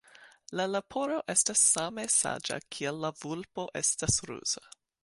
La leporo estas same saĝa kiel la vulpo estas ruza.